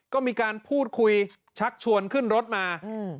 ก็มีการพูดคุยชักชวนขึ้นรถมา